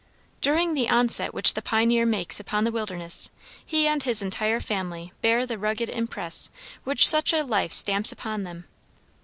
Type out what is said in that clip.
During the onset which the pioneer makes upon the wilderness he and his entire family bear the rugged impress which such a life stamps upon them.